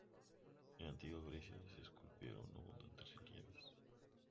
En la antigua Grecia se esculpieron abundantes relieves.